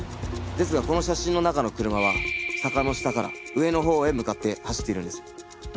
ですがこの写真の中の車は坂の下から上のほうへ向かって走っているんです。